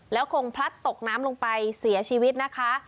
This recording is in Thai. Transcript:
แล้วคงพลัดตกน้ำลงไปเสียชีวิตนะคะ